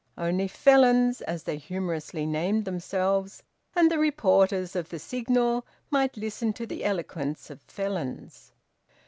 Only `Felons,' as they humorously named themselves, and the reporters of the "Signal," might listen to the eloquence of Felons.